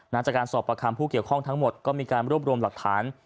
จากการสอบประคำผู้เกี่ยวข้องทั้งหมดก็มีการรวบรวมหลักฐาน